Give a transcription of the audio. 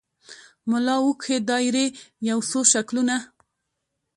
ملا وکښې دایرې یو څو شکلونه